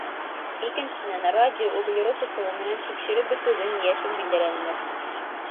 Икенсенән, радио-углерод ысулы менән тикшереп бетеүҙең йәшен билдәләнеләр.